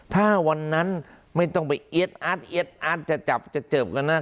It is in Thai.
ถ้าวันนั้นไม่ต้องไปเอ็ดอัดเอ็ดอัดจะจับจะเจอบกันนะ